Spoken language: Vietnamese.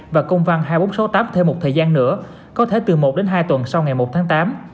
và công văn hai nghìn bốn trăm sáu mươi tám thêm một thời gian nữa có thể từ một đến hai tuần sau ngày một tháng tám